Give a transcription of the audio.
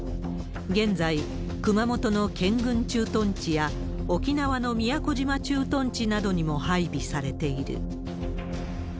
現在、熊本の健軍駐屯地や、沖縄の宮古島駐屯地などにも配備されている。